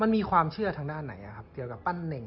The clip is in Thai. มีความเชื่อทางหน้าไหนครับเกี่ยวกับปั้นเหน่ง